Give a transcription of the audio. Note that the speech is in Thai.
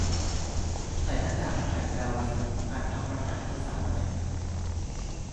ใส่หน้ากาก "ไผ่ ดาวดิน" อ่านคำประกาศอีสานใหม่